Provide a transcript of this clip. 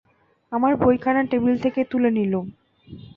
আমার বইখানা টেবিল থেকে তুলে নিলুম।